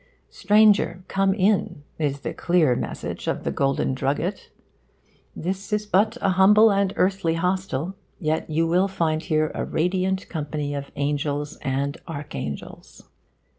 'Stranger, come in!' is the clear message of the Golden Drugget. 'This is but a humble and earthly hostel, yet you will find here a radiant company of angels and archangels.